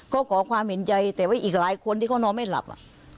ก็ขอความเห็นใจแต่ว่าอีกหลายคนที่เขานอนไม่หลับอ่ะ